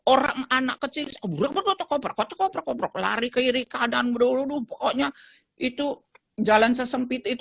orang anak kecil berburu buru tokoh kokoh kokoh lari keiri keadaan beruruh pokoknya itu jalan sesempit